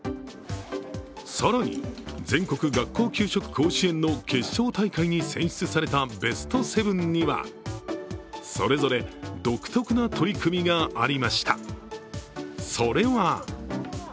更に、全国学校給食甲子園の決勝大会に選出された選出されたベスト７にはそれぞれ独特な取り組みがありました。